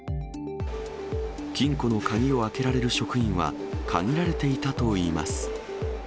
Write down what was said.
金庫の鍵を開けられる職員は限られていたといいます。